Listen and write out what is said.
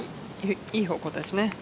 いい方向ですね。